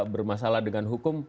bermasalah dengan hukum